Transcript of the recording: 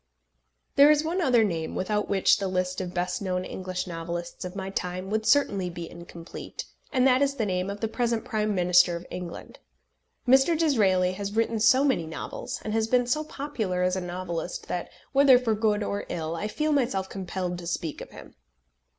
There is one other name, without which the list of the best known English novelists of my own time would certainly be incomplete, and that is the name of the present Prime Minister of England. Mr. Disraeli has written so many novels, and has been so popular as a novelist that, whether for good or for ill, I feel myself compelled to speak of him.